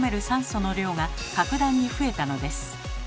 酸素の量が格段に増えたのです。